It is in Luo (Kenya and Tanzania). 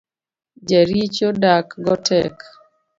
Jaricho dak go tek.